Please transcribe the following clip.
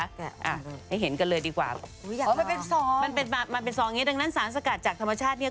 อะให้เห็นกันเลยดีกว่ามันเป็นซองดังนั้นสารสกัดจากธรรมชาติเนี่ย